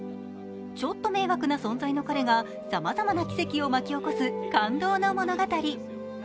ちょっと迷惑な存在の彼がさまざまな奇跡を巻き起こす感動の物語。